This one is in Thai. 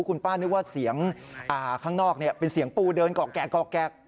คุณป้านึกว่าเสียงข้างนอกเป็นเสียงปูเดินกอกแกะกอกแกะ